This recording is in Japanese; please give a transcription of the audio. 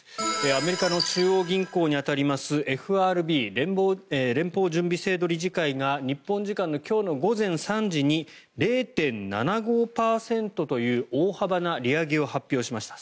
アメリカの中央銀行に当たりますＦＲＢ・連邦準備制度理事会が日本時間の今日午前３時に０．７５％という大幅な利上げを発表しました。